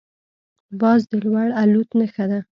باز د لوړ الوت نښه ده